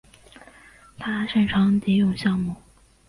他擅长蝶泳项目。